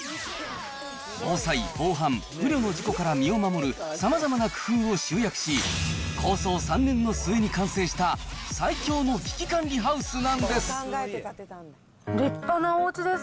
防災、防犯、不慮の事故から身を守るさまざまな工夫を集約し、構想３年の末に完成した、最強の危機管理ハウスなんです。